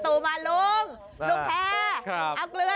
ขายมาตั้งสี่สิบกว่าปีแล้ว